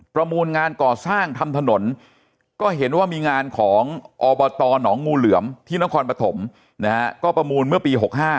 มูลงานก่อสร้างทำถนนก็เห็นว่ามีงานของอบตหนองงูเหลือมที่นครปฐมนะฮะก็ประมูลเมื่อปี๖๕